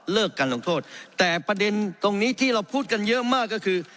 การลงโทษแต่ประเด็นตรงนี้ที่เราพูดกันเยอะมากก็คือ